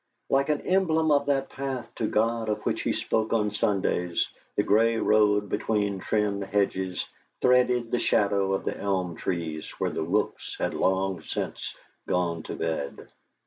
Like an emblem of that path to God of which he spoke on Sundays, the grey road between trim hedges threaded the shadow of the elm trees where the rooks had long since gone to bed.